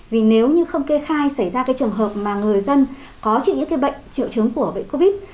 vì nếu như không kê khai xảy ra cái trường hợp mà người dân có chịu những cái bệnh triệu chứng của bệnh covid